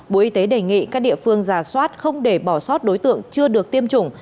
bộ y tế đề nghị các địa phương giả soát không để bỏ sót đối tượng chưa được tiêm chủng